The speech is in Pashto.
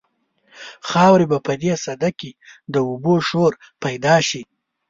خاورې به په دې سده کې د اوبو شور پیدا شي.